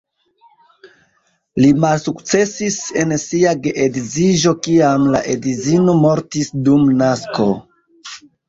Li malsukcesis en sia geedziĝo kiam la edzino mortis dum nasko.